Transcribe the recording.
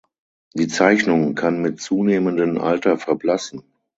Die Zeichnung kann mit zunehmendem Alter verblassen.